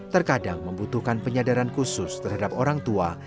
terkadang membutuhkan penyadaran khusus terhadap orang tua